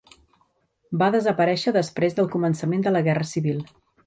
Va desaparèixer després del començament de la Guerra civil.